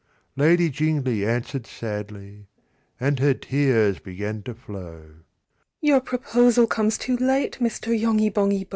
V. Lady Jingly answered sadly, And her tears began to flow, "Your proposal comes too late, "Mr. Yonghy Bonghy Bò!